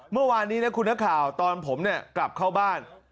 เมื่อวานนี้นะคุณนักข่าวตอนผมกลับเข้าบ้าน